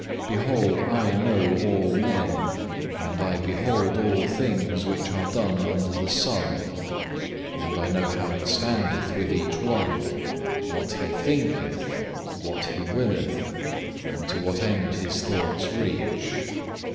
Behold, I know all men, and I behold all things which are done under the sun; and I know how it standeth with each one, what he thinketh, what he willeth, and to what end his thoughts reach.